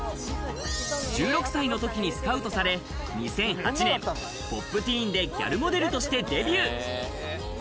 １６歳の時にスカウトされ、２００８年『Ｐｏｐｔｅｅｎ』でギャルモデルとしてデビュー。